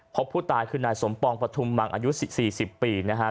พบผู้ตายคือนายสมปองปฐุมมังอายุ๔๐ปีนะฮะ